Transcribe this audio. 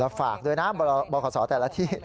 แล้วฝากด้วยนะบริษัทแต่ละที่